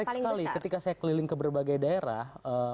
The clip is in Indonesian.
menarik sekali ketika saya keliling ke berbagai daerah